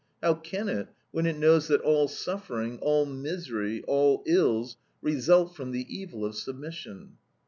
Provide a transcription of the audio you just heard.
How can it, when it knows that all suffering, all misery, all ills, result from the evil of submission?